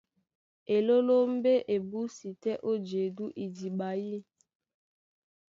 Elólómbé é búsi tɛ́ ó jedú idiɓa yî.